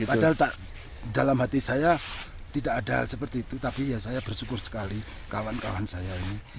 padahal dalam hati saya tidak ada hal seperti itu tapi ya saya bersyukur sekali kawan kawan saya ini